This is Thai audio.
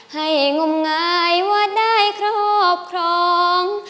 งมงายว่าได้ครอบครอง